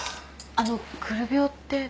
あのくる病って？